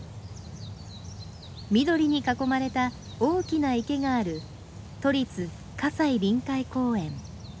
緑に囲まれた大きな池がある都立西臨海公園。